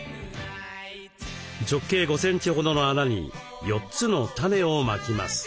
直径５センチほどの穴に４つのタネをまきます。